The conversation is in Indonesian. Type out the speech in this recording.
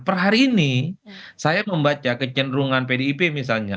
perhari ini saya membaca kecenderungan pdip misalnya